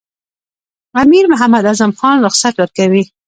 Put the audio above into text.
امیر محمد اعظم خان رخصت ورکوي.